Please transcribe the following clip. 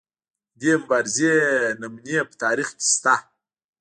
د دې مبارزې نمونې په تاریخ کې شته.